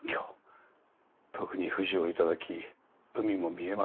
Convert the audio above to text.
特に富士を頂き海も見えます。